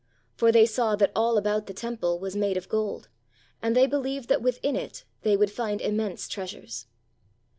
For they saw that all about the Temple was made of gold, and they believed that within it they would find immense treasures.